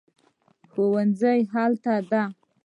ښوونځی هلته دی